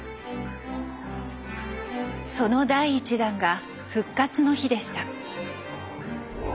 その第１弾が「復活の日」でした。